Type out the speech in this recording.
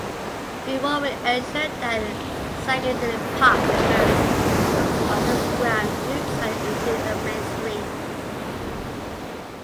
"Revolver" ensured that psychedelic pop emerged from its underground roots and into the mainstream.